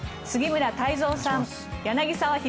杉村太蔵さん